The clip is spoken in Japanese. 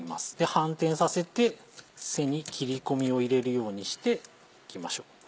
反転させて背に切り込みを入れるようにしていきましょう。